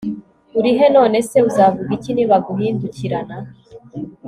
uri he none se uzavuga iki nibaguhindukirana